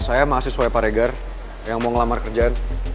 saya mahasiswa pak regar yang mau ngelamar kerjaan